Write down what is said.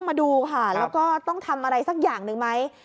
มาดูค่ะแล้วก็ต้องทำอะไรสักอย่างหนึ่งไหม